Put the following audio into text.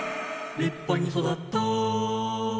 「立派に育ったー」